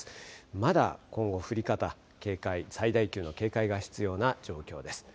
まだ今後、降り方、警戒、最大級の警戒が必要な状況です。